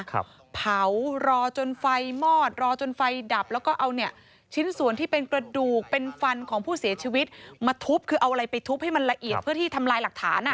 เผารอจนไฟมอดรอจนไฟดับแล้วก็เอาเนี่ยชิ้นส่วนที่เป็นกระดูกเป็นฟันของผู้เสียชีวิตมาทุบคือเอาอะไรไปทุบให้มันละเอียดเพื่อที่ทำลายหลักฐานอ่ะ